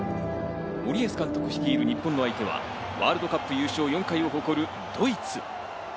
森保監督率いる日本の相手はワールドカップ優勝４回を誇るドイツ。